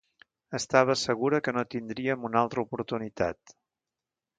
Estava segura que no tindríem una altra oportunitat...